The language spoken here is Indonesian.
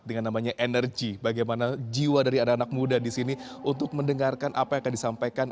dengan namanya energi bagaimana jiwa dari anak anak muda di sini untuk mendengarkan apa yang akan disampaikan